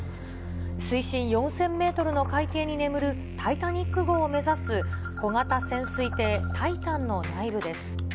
水深４０００メートルの海底に眠るタイタニック号を目指す小型潜水艇タイタンの内部です。